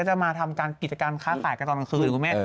จะมาทำการกิจการค้าขายกันตอนกลางคืนหรือคุณแม่